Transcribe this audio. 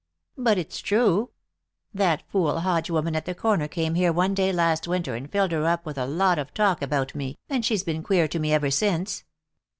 "But it's true. That fool Hodge woman at the corner came here one day last winter and filled her up with a lot of talk about me, and she's been queer to me ever since."